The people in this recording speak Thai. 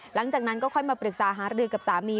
หลังจากนั้นก็ค่อยมาปรึกษาหารือกับสามี